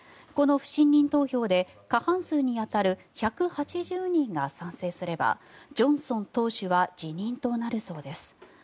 この不信任投票で過半数に当たる１８０人が賛成すればジョンソン党首は辞任となるそうです。